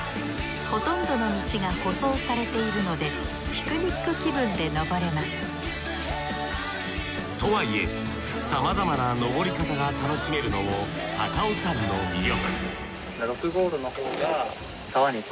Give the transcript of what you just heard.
ほとんどの道が舗装されているのでピクニック気分で登れますとはいえさまざまな登り方が楽しめるのも高尾山の魅力